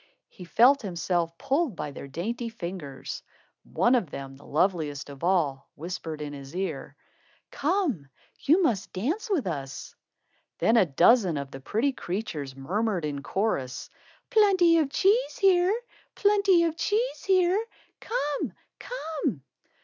He felt himself pulled by their dainty fingers. One of them, the loveliest of all, whispered in his ear: "Come, you must dance with us." Then a dozen of the pretty creatures murmured in chorus: "Plenty of cheese here. Plenty of cheese here. Come, come!"